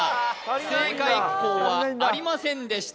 正解校はありませんでした